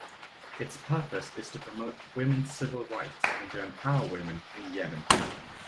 Its purpose is to promote women's civil rights and to empower women in Yemen.